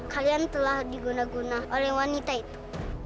kalian telah digunakan oleh wanita itu